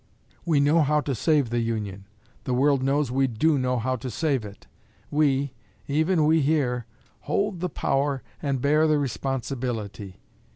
We know how to save the Union. The world knows we do know how to save it. We even we here hold the power and bear the responsibility.